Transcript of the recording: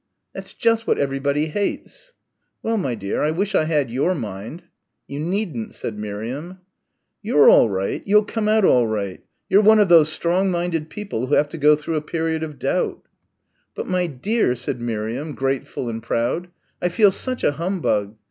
"That's just what everybody hates!" "Well, my dear, I wish I had your mind." "You needn't," said Miriam. "You're all right you'll come out all right. You're one of those strong minded people who have to go through a period of doubt." "But, my dear," said Miriam grateful and proud, "I feel such a humbug.